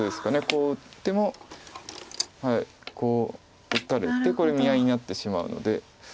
こう打ってもこう打たれてこれ見合いになってしまうので。